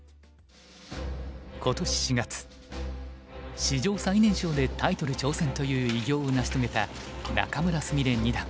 今年４月史上最年少でタイトル挑戦という偉業を成し遂げた仲邑菫二段。